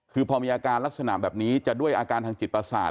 คือพอมีอาการลักษณะแบบนี้จะด้วยอาการทางจิตประสาท